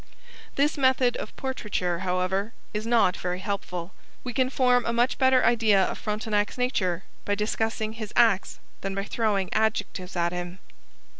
This method of portraiture, however, is not very helpful. We can form a much better idea of Frontenac's nature by discussing his acts than by throwing adjectives at him.